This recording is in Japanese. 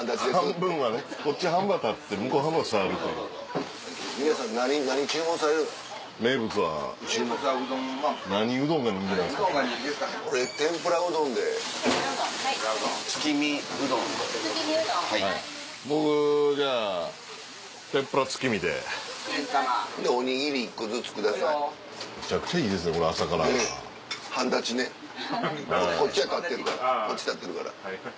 半立ちねこっちは立ってるからこっち立ってるから。